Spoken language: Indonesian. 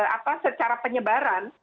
apa secara penyebaran